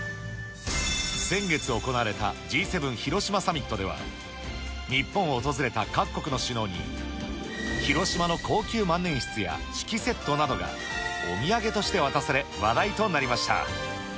先月行われたＧ７広島サミットでは、日本を訪れた各国の首脳に、広島の高級万年筆や酒器セットなどが、お土産として渡され、話題となりました。